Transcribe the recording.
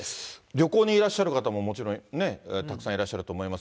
旅行にいらっしゃる方ももちろんたくさんいらっしゃると思います。